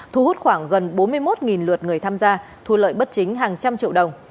thu hút khoảng gần bốn mươi một lượt người tham gia thu lợi bất chính hàng trăm triệu đồng